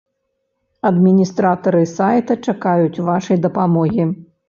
Адміністратары сайта чакаюць вашай дапамогі!